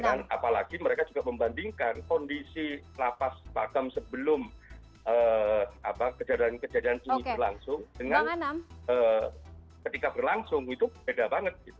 bahkan apalagi mereka juga membandingkan kondisi lapas pakem sebelum kejadian kejadian ini berlangsung dengan ketika berlangsung itu beda banget